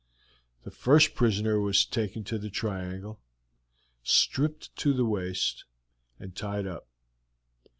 The first prisoner was taken to the triangle, stripped to the waist, and tied up.